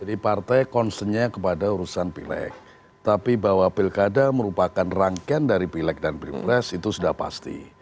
jadi partai konsternya kepada urusan pilek tapi bahwa pilkada merupakan rangkaian dari pilek dan pilpres itu sudah pasti